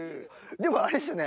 でもあれですよね